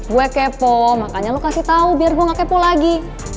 gue kepo makanya lo kasih tau biar gue gak kepo lagi